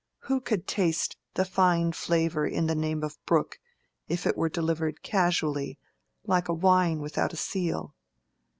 Who could taste the fine flavor in the name of Brooke if it were delivered casually, like wine without a seal?